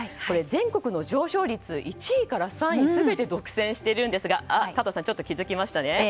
全国の上昇率１位から３位全て独占していますが加藤さんちょっと気づきましたね。